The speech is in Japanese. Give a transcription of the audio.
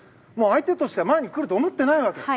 相手としては前に来ると思っていないと。